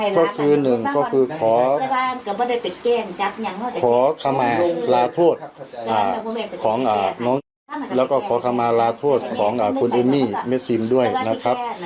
ก็คือหนึ่งก็คือขอขมาลาโทษของน้องแล้วก็ขอขมาลาโทษของคุณเอมมี่เมซิมด้วยนะครับ